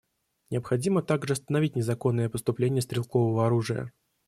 Необходимо также остановить незаконное поступление стрелкового оружия.